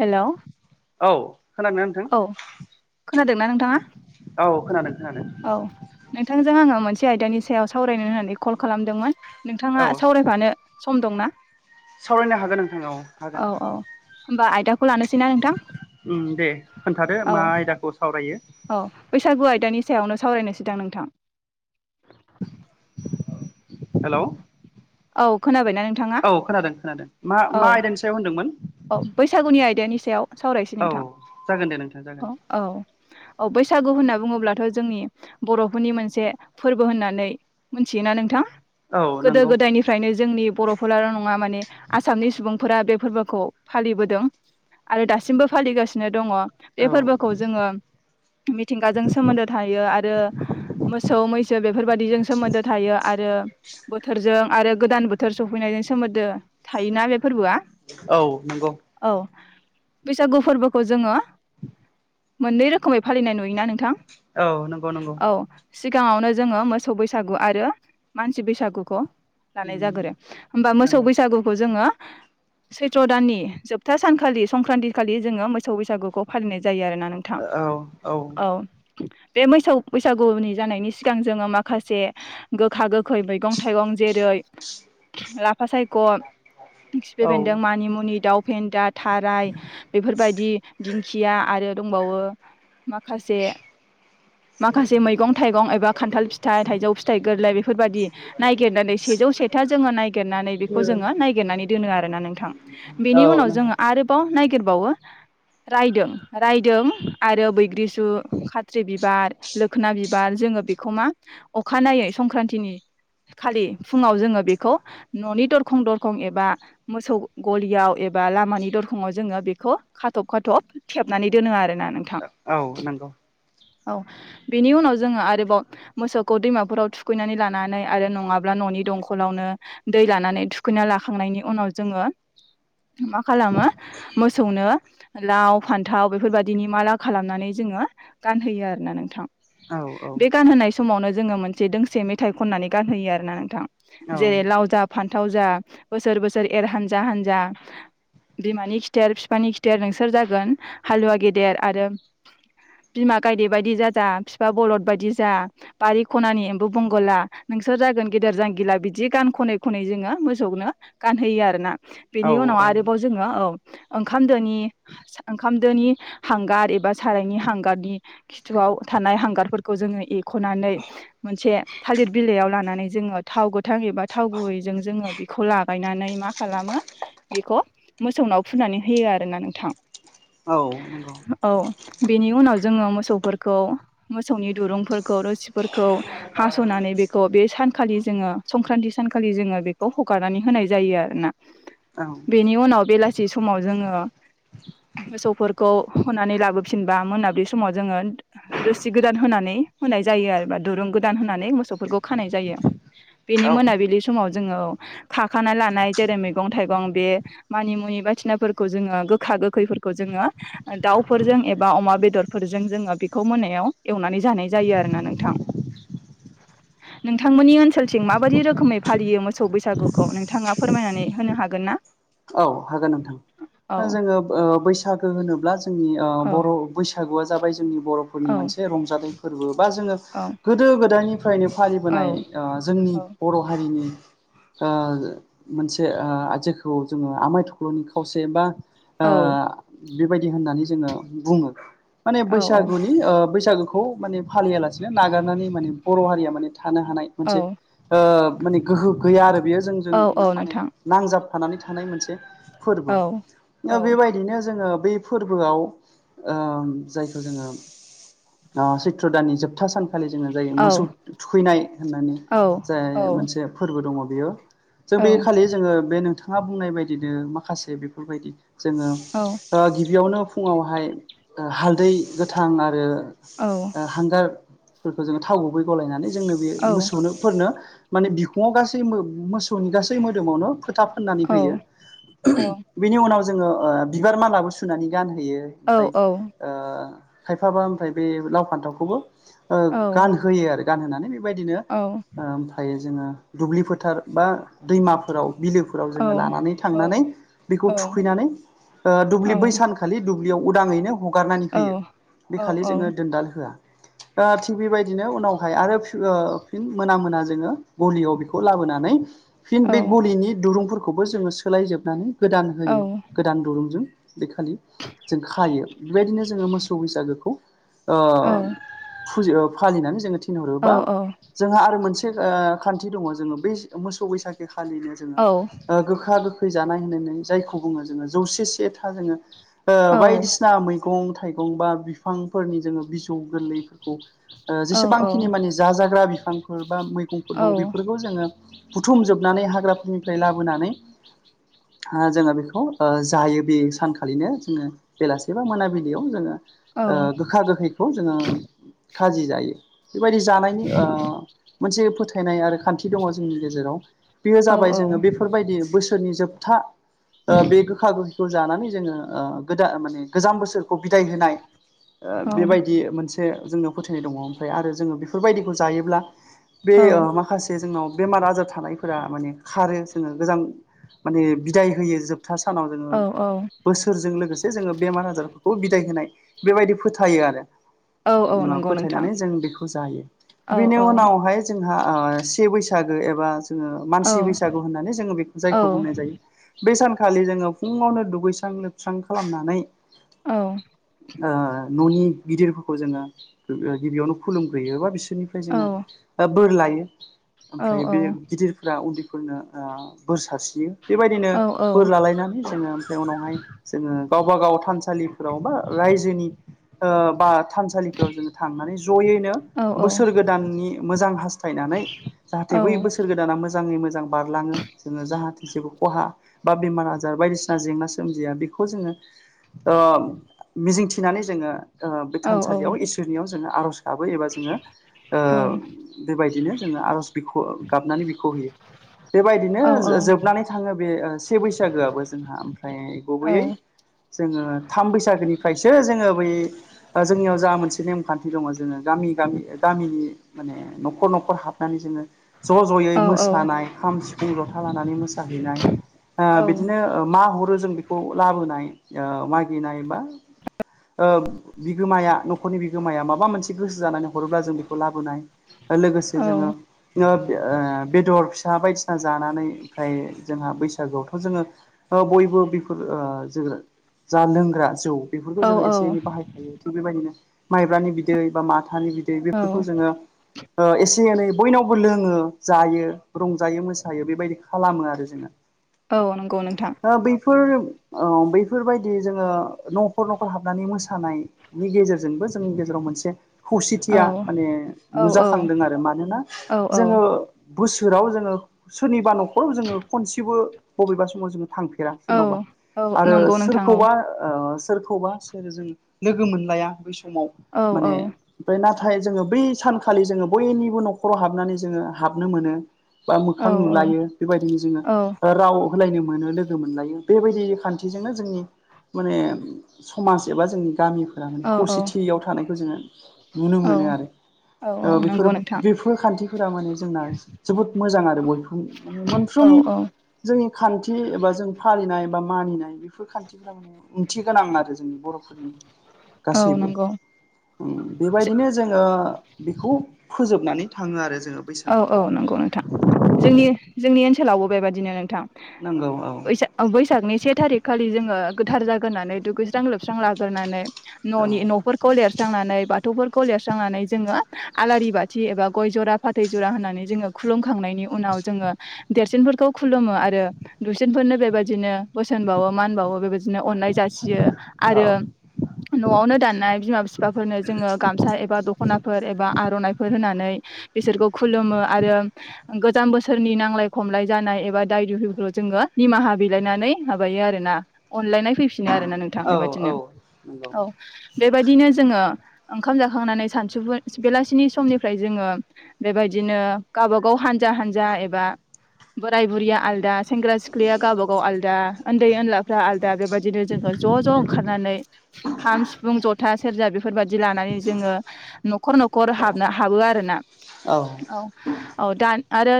हेल' औ खोनादों ना नोंथां? खोनादोंना नोंथाङा औ खोनादों। खोनादों औ नोंथांजों आङो मोनसे आयदानि सायाव सावरायनो होननानै कल खालामदोंमोन। नोंथाङा औ सावरायफानो सम दंना? सावरायनो हागोन नोंथां औ हागोन। औ औ होमबा आयदाखौ लानोसैना नोंथां उम दे खोन्थादो औ मा आयदाखौ सावरायो? औ बैसागु आयदानि सायावनो सावरायनोसैदां नोंथां हेलौ औ खोनाबाय ना नोंथाङा औ खोनादों खोनादों मा औ मा आयदानि सायाव होनदोंमोन औ बैसागुनि आयदानि सायाव सावरायसै औ नोंथां जागोन दे नोंथां जागोन औ औ औ बैसागु होनना बुङोब्लाथ' जोंनि बर'फोरनि मोनसे फोरबो होननानै मोनथियोना नोंथां? औ गोदो नंगौ गोदायनिफ्रायनो जोंनि बर'फोराल' नङा माने आसामनि सुबुंफोरा बे फोरबोखौ फालिबोदों आरो दासिमबो फालिगासिनो दङ बे औ फोरबोखौ जोङो मिथिंगाजों सोमोन्दो थायो आरो मोसौ मैसो बेफोरबायदिजों सोमोन्दो थायो आरो बोथोरजों आरो गोदान बोथोर सफैनायजों सोमोन्दो थायोना बे फोरबोआ औ नंगौ औ बैसागु फोरबोखौ जोङो मोननै रोखोमै फालिनाय नुयोना नोंथां औ नंगौ नंगौ औ सिगाङावनो जोङो मोसौ बैसागु आरो मानसि बैसागुखौ लानाय उम जागोरो होमबा मोसौ नंगौ बैसागुखौ जोङो सैथ्र दाननि जोबथा सानखालि संक्रान्ति खालि जोङो मोसौ बैसागुखौ फालिनाय जायो आरोना नोंथां औ औ बे मैसौ बैसागुनि जानायनि सिगां जोङो माखासे गोखा गोखै मैगं थाइगं जेरै लाफा सायख' खिफि औ बेन्दों मानिमुनि दाउ फेन्दा थाराय बेफोरबायदि दिंखिया आरो दंबावो माखासे माखासे मैगं थाइगं एबा खान्थाल फिथाइ थाइजौ फिथाइ गोरलै बेफोरबायाददि नायगिरनानै सेजौ सेथा जोङो नायगिरनानै बेखौ जोङो नायगिरनानै दोनो आरोना नोंथां औ बेनि उनाव नंगौ जोङो आरोबाव नायगि [unintelligible] बावो रायदों रायदों आरो बैग्रिसु खाथ्रि बिबार लोखोना बिबार जोङो बेखौ मा अखानायै संक्रान्तिनि खालि फुङाव जोङो बेखौ न'नि दरखं दरखं एबा मोसौ गलियाव एबा लामानि दर खङाव जोङो बेखौ खाथब खाथब थेबनानै दोनो आरो औ नंगौ औ बेनि उनाव जोङो आरोबाव मोसौखौ दैमाफोराव थुखैनानै लानानै आरो नङा ब्ला न'नि दंखलावनो दै लानानै थुखैना लाखांनायनि उनाव जोङो मा खालामो मोसौनो लाव फान्थाव बेफोरबायदिनि माला खालामनानै जोङो गानहोयो आरो ना नोंथां। औ औ बे गानहोनाय समावनो जोङो मोनसे दोंसे मेथाइ खननानै गानहोयो आरोना नोंथां औ जेरै लाव जा फान्थाव जा बोसोर बोसोर एर हानजा हानजा बिमानि खिथेर फिफानि खिथेर नोंसोर जागोन हालुवा गेदेर आरो बिमा गायदे बायदि जाजा फिफा बरलद बायदि जा बारि खनानि एमबु बंगोला नोंसोर जागोन गेदेर जांगिला बिदि गान खनै खनै जोङो मोसौनो गानहोयो आरोना बेनि उनाव औ आरोबाव जोङो औ ओंखामो दोनि ओंखामदोनि हांगार एबा सारायनि हांगारनि खिथुआव थानाय हांगारफोरखौ जोङो ए रख'नानै मोनसे थालिर बिलाइयाव लानानै जोङो थाव गो थां एबा थाव गुबैजों जोङो बेखौ लाब गायनानै मा खालामो बेखौ मोसौनाव फुनानै होयो आरोना नोंथां। औ नंगौ औ बेनि उनाव जोङो मोसौफोरखौ मोसौनि दुरुंफोरखौ रोसि फोरखौ हास'नानै बेखौ बे सान खालि जोङो संक्रान्ति सानखालि जोङो बेखौ हगारनानै होनाय। औ बेनि उनाव। होनानै लाबोफिनबा मोनाबिलि समाव जोङो। रोसि गोदान होनानै होनाय जायों आरो बा दुरुं गोदान होनानै मोसौफोरखो खानाय जायों। बिनि औ मोनाबिलि समाव। ओव काखाना लानाय जेरै मैगं थाइगं बे मानि मुनि बाथिनाफोरखौ जोङो गोखा। गोखैफोरखौ जोङो दाउफोरजों एबा अमा बेदरफोरजों जोङो बेखौ। जायो आरो ना नोंथां। नोंथांमोननि ओनसोलथिं माबायदि रोखोमै फालियो मोसौ बैसागुखौ नोंथाङा फोरमायनानै होनो हागोन ना। औ हागोन नोंथां औ जोङो बैसागो होनोब्ला। जोंनि औ बैसागुआ जाबाय जोंनि बर'फोरनि औ मोनसे रंजानाय फोरबो बा जोङो औ गोदो। गोदो गोदायनिफ्रायनो औ फालिबोनाय जोंनि औ बर' हारिनि। मोनसे आ जेखौ जोङो आमाइ थख्ल'नि खावसे बा। औ बेबायदि होननानै जोङो बुङो माने औ बैसागुनि बैसागुखौ। खौ माने फालियालासेनो नागारनानै माने बर' हारिया माने थानो हानाय मोनसे। औ माने गोहो गैया आरो बेयो जोंजों औ औ माने नोंथां नांजाबफानानै थानाय मोनसे। फोरबो औ दा औ बेबायदिनो जोङो। बे फोरबोआव जायखौ जोङो। सैत्र दाननि जोबथा सान। खालि जोङो जाय औ मोसौ थुखैनाय होननानै औ जाय औ मोनसे फोरबो दङ बेयो। जों औ बे खालि जोङो बे नोंथाङा बुंनाय बायदिनो माखासे बेफोरबायदि। जोङो गिबियावनो फुङावहाय हालदै गोथां आरो। हांगारफोरखौ जोङो थाव गुबै गलायनानै जोंनो बे औ मोसौनोफोरनो। माने बिखुाव गासै मोसौनि गासै मोदोमावनो। पुननानै होयो औ औ बिनि उनाव जोङो बिबार मालाबो सुनानै गानो। औ ओमफ्राय खायफाबा ओमफ्राय बे लाव फान्थावखौबो। गानहोयो आरो गानहोनानै बेबायदिनो ओमफ्रायो जोङो दुब्लि फोथार। बा दैमाफोराव बिलो। जोंङो लानानै थांनानै बेखौ थुखैनानै दुब्लि बै सानखालि। दुब्लियाव उदाङैनो हगारनानै होयो बे खालि जोङो दोनदाल होआ। थिग बेबायदिनो उनावहाय आरो फिन मोना मोना। गलियाव बेखौ लाबोना नै फिन गलिनि दरूं। गासोखौबो सोलायोबनानै गोदान होयो गोदान दिरूं। खालि जों खायो बेबायदिनो जोङो मोसौ बैसागोखौ। अ फालिनानै जोङो थिनहरो बा जोंहा आरो मोनसे। खान्थि दङ जोङो बै मोसौ बैसागि खालिनो जोङो। ओ गोखा गोखै जानाय होननानै जायखौ बुङो जोङो जौसे से था जोङो। बायदिसिना मैगं थाइगं बा बिफांफोरनि जोङो। जौ गोरलैफोरखौ जेसेबांखिनि माने जाजाग्रा बिफांफोर बा मैगंफोर दङ बेफोरखौ जों। बुथुम जोबनानै हाग्राफोरनिफ्राय लाबोनानै। जोङो बेखौ जायो बे सानखालिनो जोङो बेलासे बा मोनाबिलियाव जोङो। गोखा गोखैखौ जोङो खाजि जायो। बेबायदि जानायनि मोनसे फोथायनाय आरो। खान्थि दङ जोंनि गेजेराव बेयो जाबाय जोङो बेफोरबायदि बोसोरनि जोबथा। ओ बे गोखा गोखैखौ जानानै जोङो ओ गोदान माने गोजाम बोसोरखौ बिदाय होनाय ओ बेबायदि मोनसे जोंनो फोथायनाय दङ ओमफ्राय आरो जोङो बेफोरबायदिखौ जायोब्ला बे औ माखासे जोंनाव बेमार आजार थानायफोरा माने खारो जोङो गोजां माने बिदाय होयो जोब जोबथा सानाव जोङो बोसोरजों लोगोसे जोङो बेमार आजारफोरखौ बिदाय होनाय बेबायदि फोथायो आरो औ उ नंगौ नोंथां फोथायनानै जों बेखौ जायो औ बेनि औ उनावहाय जोंहा ओ से बैसागो एबा जोङो औ मानसि बैसा सागु होननानै जों औ जायखौ बुंनाय जायो बे सान खालि जोङो फुङावनो दुगैस्रां लोबस्रां खालामनानै औ ओ न'नि गिदिरफोरखौ जोङो गिबियावनो खुलुमग्रोयो एबा बिसो रनिफ्राय औ जोङो बोर लायो औ ओमफ्राय बे गिदिरफोरा उन्दै फोरनो ओ बोर सास्रि यो बेबायदिनो बोर लालायनानै जोङो ओमफ्राय उनावहाय जोङो गावबागाव थानसालिफोराव बा रायजोनि ओ बा थानसालिफोराव जोङो थांनानै ज'यैनो औ बोसोर गोदाननि मोजां हास थायनानै जाहाथे बै बोसोर गोदाना मोजाङै मो जां बारलाङो जोङो जाहाथे जेबो खहा बा बेमार आजार बायदिसिना जेंना सोमजिया बेखौ जोङो ओ मिजिंथिनानै जोङो ओ बे थानसालियाव इसोरनियाव जोङो आर'ज गाबो एबा जोङो बेबायदिनो जोङो आर'ज बिख' गाबनानै बिख' होयो। बेबायदिनो जो जोबनानै थाङो बे से बैसागोआबो जोंहा ओमफ्राय गुबैयै जोङो थाम बैसागोनिफ्रायसो जोङो बै बा जोंनियाव जा मोनसे नेमखान्थि दङ। जोङो गामि गामि गामिनि माने न'खर न'खर हाबनानै जोङो ज' ज'यै मोसानाय खाम, सिफुं, ज'था लानानै मोसा साहैनाय ओ बिदिनो मा हरो जों बेखौ लाबोनाय ओ मागिनाय बा ओ बिगोमाया न'खरनि बिगोमाया माबा मोनसे गोसो जानानै हरोब्ला जों बेखौ लाबोनाय आरो लोगोसे जोङो ओ बेदर मा बायदिसिना जानानै आमफ्राय जोंहा बैसागोआवथ' जोङो बयबो बेफोर जो जा लोंग्रा जौ बेफोरखौ औ जोङो एसे एनै बाहायखायो थिग बेबायदिनो माइब्रानि बिदै बा मा थानि बिदै औ औ बेफोरखौ जोङो ओ एसे एनै बयनावबो लोङो जायो। रंजायो मोसायो बेबायदि खालामो आरो जोङो औ नंगौ नोंथां फुर औ बैफोरबायदि जोङो न'खर न'खर हाबनानै मोसानायनि गेजेरजोंबो जोंनि गेजेराव मोनसे औ खौसेथिया माने औ नुजाखांदों आरो मानोना औ औ जोङो सोराव जोङो सोरनिबा न'खराव जोङो खनसेबो बबेबा समाव जोङो थांफेरा औ सोरनावबा औ आरो नंगौ नोंथां औ सोरखौबा ओ सोरखौबा सोरजों लोगो मोनलाया बै समाव औ माने ओमफ्राय नाथाय नाथाय जोङो बै सानखालि जोङो बयनिबो न'खराव हाबनानै जोङो हाबनो मोनो। बा औ मोखां नुलायो बेबायदिनो जोङो औ राव होलायनो मोनो लोगो मोनलायो बेबायदि खान्थिजोंनो जोंनि माने समाज एबा जोंनि गामिफोरा माने खौसेथियाव थानायखौ जोङो नुनो औ मोनो आरो औ ओ बेफोर नंगौ नोंथां बेफोर खान्थिफोरा माने जोंना जोबोद मोजां आरो बयखौ माने मोनफ्रोम औ औ जोंनि खान्थि एबा जों फालिनाय बा मानिनाय बेफोर खान्थिफोरा माने ओंथि गोनां आरो जोंनि बर'फोरनि औ गासैबो नंगौ ओं बेबायदिनो जोङो बेखौ फोजोबनानै थाङो आरो जोङो औ औ बैसागुखौ नंगौ जोंनि जोंनि ओनसोलावबो बेबायदिनो नोंथां नंगौ औ बैसाख बैसख नि से थारिख खालि जोङो गोथार जाग्रोनानै दुगैस्रां लोबस्रां लाग्रोनानै औ न'नि न'फोरखौ लिरस्रांनानै बा ग'फोरखौ लस्रांनानै जोङो आलारि बाथि एबा गय जरा फाथै ज'रा होनानै जोङो खुलुम खांनायनि उनाव जोङो देरसिनफोर खौ खुलुमो आरो दुइसिनफोरनो बेबायदिनो बोसोन बावो मान बावो बेबाय दिनो अननाय जासियो आरो औ न'आवनो दाननाय बिमा बिफाफोरनो जोङो गामसा एबा दख'नाफोर एबा आर'नाइफोर होनानै बिसोरखौ खुलुमो आरो गोजाम बोसोरनि नांलाय खमलाय जानाय एबा दाय दुहिफ्राव जोङो निमाहा बिलायनानै माबायो आरोना अनलायनाय फैफिनो आरोना नोंथां औ बेबायदिनो औ नंगौ औ बेबायदिनो जोङो ओंखाम जाखांनानै सानसुफु बेलासिनि समनिफ्राय जोङो बेबायदिनो गावब गाव हानजा हानजा एबा बोराय बुरिया आलदा सेंग्रा सिख्लाया गावबा गाव आलादा उन्दै उनलाफ्रा आलदा बेबायदिनो जोङो ज' ज' ओंखारनानै खाम, सिफुं, जथा, सेरजा बेफोरबायाददि लानानै जोङो न'खर न'खर हाबनो हाबो आरो ना औ औ दा आरो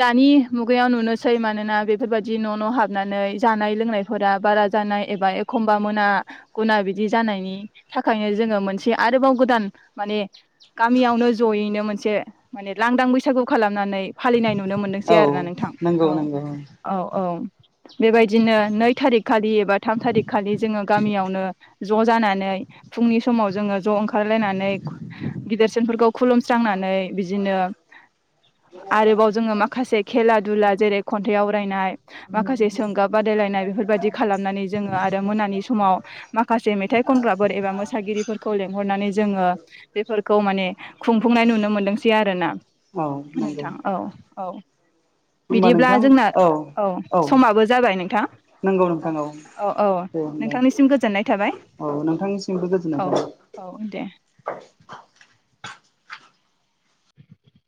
दानि मुगायाव नुनोसै मानोना बेफोरबायदि न' न' हाबनानै जानाय लोंनाय बारा जानाय एबा एखमबा मोना गना बिदि जानायनि थाखायनो जोङो मोनसे आरोबाव गोदान माने गामियावनो जयैनो मोनसे मोनसे माने लांदां बैसागु खालामनानै फालिनाय नुनो मोनदोंसै औ आरोना नोंथां नंगौ औ नंगौ औ औ। बेबायदिनो नै थारिख खालि एबा थाम थारिख खालि जोङो गामियावनो ज' जानानै फुंनि समाव जोङो ज' ओंखारलायनानै गिदिरसिनफोरखौ खुलुमस्रांनानै बि आरोबाव जोङो माखसे खेला दुला जेरै खन्थाइ आवरायनाय माखासे सोंगाब बादायलायनाय बेफोरबायदि खालामनानै जोङो आरो मोनानि समाव माखासे मेथाइ खनग्राफोर एबा मोसागिरिफोरखौ लेंहरनानै जोङो बेफोरखौ माने खुंफुंनाय नुनो मोनदोंसै आरोना औ नंगौ नोंथां औ औ होमबा बिदिब्ला नोंथां जोंना औ समाबो जाबाय नोंथां नंगौ औ नोंथां औ औ दे होमबा नोंथांनिसिम गोजोननाय थाबाय औ नोंथांनिसिमबो गोजोननाय औ थाबाय औ दे [inaudible] [inaudible]